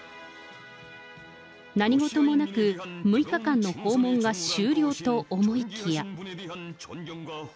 何事もなく、６日間の訪問が終了と思いきや。